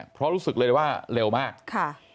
เพราะรู้สึกเลยว่าเร็วมากค่ะ